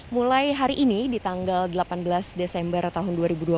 mulai hari ini di tanggal delapan belas desember tahun dua ribu dua puluh